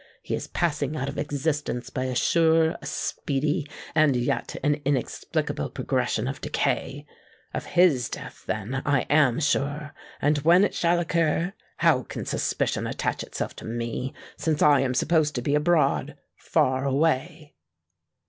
He is passing out of existence by a sure, a speedy, and yet an inexplicable progression of decay. Of his death, then, I am sure; and when it shall occur, how can suspicion attach itself to me—since I am supposed to be abroad—far away?"